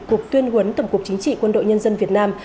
cục tuyên huấn tổng cục chính trị quân đội nhân dân việt nam